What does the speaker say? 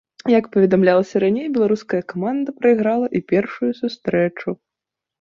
Як паведамлялася раней, беларуская каманда прайграла і першую сустрэчу.